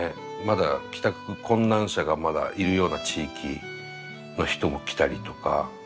まだ帰宅困難者がまだいるような地域の人も来たりとか。